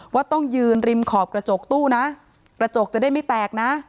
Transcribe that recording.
ว่าต้องยืนริมขอบกระจกตู้นะกระจกจะได้ไม่แตกนะ